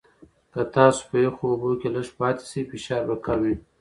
که تاسو په یخو اوبو کې لږ پاتې شئ، فشار به کم وي.